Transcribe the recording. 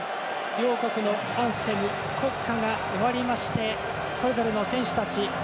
両国のアンセム、国歌が終わりましてそれぞれの選手たち